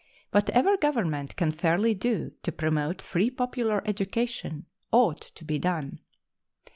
Whatever Government can fairly do to promote free popular education ought to be done.